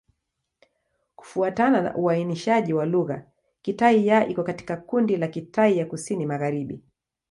Kufuatana na uainishaji wa lugha, Kitai-Ya iko katika kundi la Kitai ya Kusini-Magharibi.